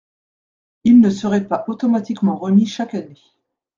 Il ne serait pas automatiquement remis chaque année.